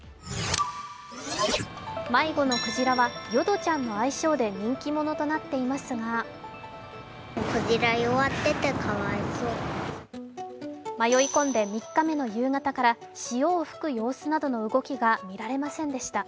迷子のクジラはヨドちゃんの愛称で人気者となっていますが迷い混んで３日目の夕方から、潮を吹く様子などの動きが見られませんでした。